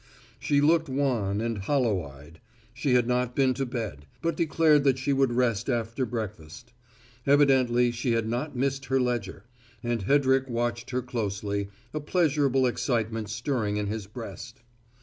She looked wan and hollow eyed: she had not been to bed, but declared that she would rest after breakfast. Evidently she had not missed her ledger; and Hedrick watched her closely, a pleasurable excitement stirring in his breast.